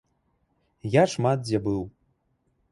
Я шмат дзе быў.